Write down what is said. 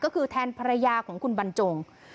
ก็คือแทนภรรยาของคุณบรรจง